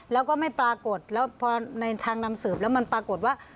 แล้วก็ไม่ปรากฏแล้วพอในทางนำสืบแล้วมันปรากฏว่า